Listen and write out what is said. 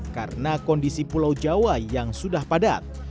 karena kondisi pulau jawa yang sudah padat